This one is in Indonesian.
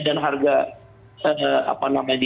dan harga di indonesia